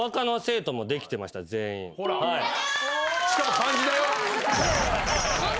しかも漢字だよ。